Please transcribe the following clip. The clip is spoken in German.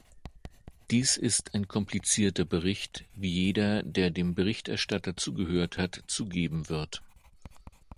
Dies ist ein komplizierter Bericht, wie jeder, der dem Berichterstatter zugehört hat, zugeben wird.